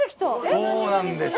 そうなんです。